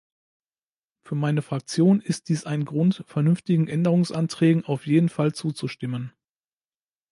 Für meine Fraktion ist dies ein Grund, vernünftigen Änderungsanträgen auf jeden Fall zuzustimmen.